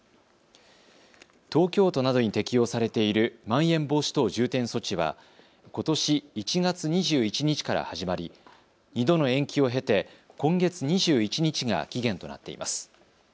東京都などに適用されているまん延防止等重点措置はことし１月２１日から始まり２度の延期を経て今月２１日が期限となっています。